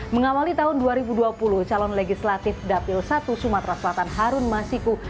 mengawali tahun dua ribu dua puluh calon legislatif dapil satu sumatera selatan harun masiku